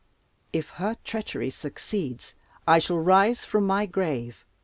If her treachery succeeds, I shall rise from my grave.